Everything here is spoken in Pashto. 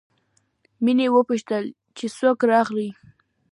مينې وپوښتل چې څوک راغلي دي